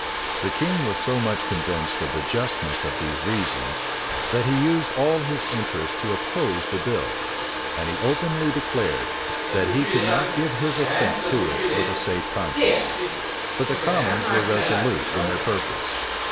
The king was so much convinced of the justness of these reasons, that he used all his interest to oppose the bill; and he openly declared, that he could not give his assent to it with a safe conscience. But the commons were resolute in their purpose.